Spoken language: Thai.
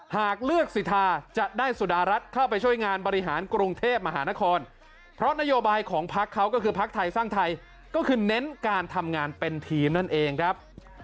หากเลือกสิทธาจะได้สุดารัฐเข้าไปช่วยงานบริหารกรุงเทพมหานครเพราะนโยบายของพักเขาก็คือพักไทยสร้างไทยก็คือเน้นการทำงานเป็นทีมนั่นเองครับ